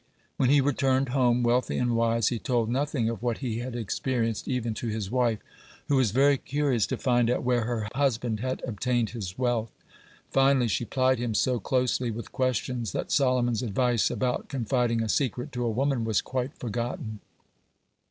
When he returned home, wealthy and wise, he told nothing of what he had experienced even to his wife, who was very curious to find out where her husband had obtained his wealth. Finally, she plied him so closely with questions that Solomon's advice about confiding a secret to a woman was quite forgotten.